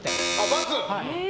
×！